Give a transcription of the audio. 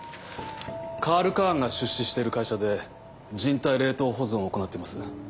カール・カーンが出資している会社で人体冷凍保存を行っています。